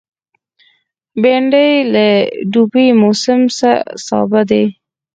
بېنډۍ د دوبي موسمي سابه دی